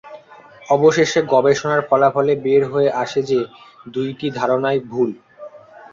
অবশেষে গবেষণার ফলাফলে বের হয়ে আসে যে, দুইটি ধারণাই ভুল।